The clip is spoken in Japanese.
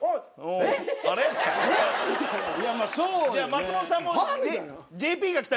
松本さんも。